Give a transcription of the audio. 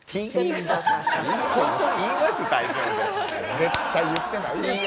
絶対言ってないですよ。